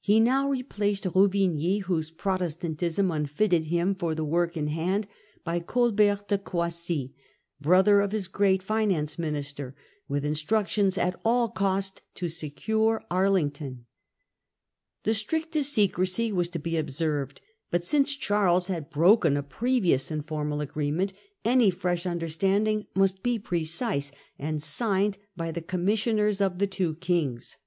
He now replaced Ruvigny, whose Pro testantism unfitted him for the work in hand, by Colbert de Croissy, brother of his great finance minister, with instructions at all cost to secure Arlington. The strictest N 2 180 Preparations of Louts for War ; 1669. secrecy was to be observed, but, since Charles had broken a previous informal agreement, any fresh understanding must be precise, and signed by the commissioners of the two Kings.